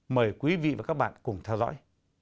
mời quý vị và các bạn cùng theo dõi